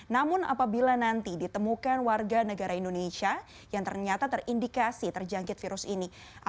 namun apabila nanti ditemukan warga negara indonesia yang ternyata terindikasi terjangkit virus ini